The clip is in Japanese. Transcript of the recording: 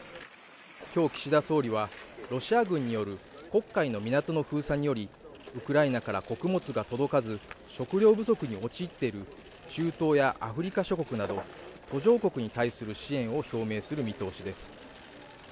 今日、岸田総理はロシア軍による黒海の港の封鎖によりウクライナから穀物が届かず食料不足に陥っている中東やアフリカ諸国など途上国に対する支援を表明する見通しです。